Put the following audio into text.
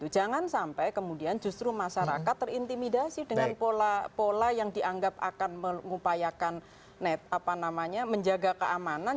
jangan sampai kemudian justru masyarakat terintimidasi dengan pola yang dianggap akan mengupayakan menjaga keamanan